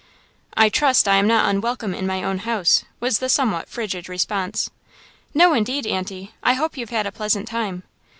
"I trust I am not unwelcome in my own house," was the somewhat frigid response. "No indeed, Aunty I hope you've had a pleasant time."